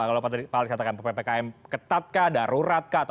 kalau pak ali katakan ppkm ketat kah darurat kah